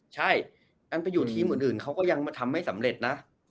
ใช่อันไปอยู่ทีมอื่นเขาก็ยังมาทำไม่สำเร็จนะ